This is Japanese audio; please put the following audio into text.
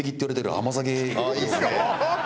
ああいいですね。